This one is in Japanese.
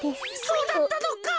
そうだったのか！